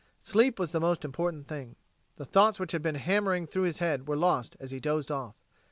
Sleep was the most important thing. The thoughts which had been hammering through his head were lost as he dozed off.